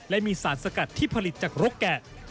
และมีสารสกัดที่ผลิตจากรกแกะ